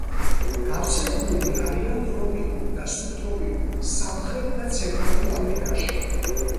გავრცელებულნი არიან ტროპიკულ და სუბტროპიკულ სამხრეთ და ცენტრალურ აფრიკაში.